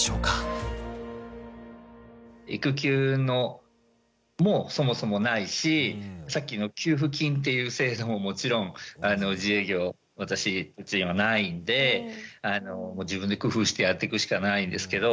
育休もそもそもないしさっきの給付金っていう制度ももちろん自営業私のうちにはないんで自分で工夫してやっていくしかないんですけど。